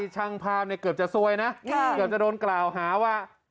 ช่างภาพเนี่ยเกือบจะซวยนะเกือบจะโดนกล่าวหาว่า